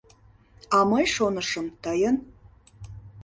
А мый шонышым — тыйын.